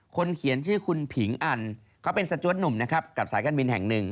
เขียนชื่อคุณผิงอันเขาเป็นสจวดหนุ่มนะครับกับสายการบินแห่งหนึ่ง